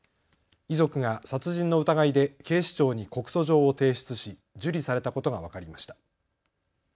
遺族が殺人の疑いで警視庁に告訴状を提出し受理されたことが分かりました。